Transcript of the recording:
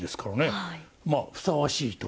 まあふさわしいと。